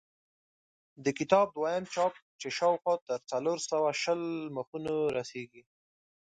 د کتاب دویم چاپ چې شاوخوا تر څلور سوه شل مخونو رسېږي.